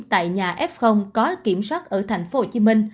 tại nhà f có kiểm soát ở tp hcm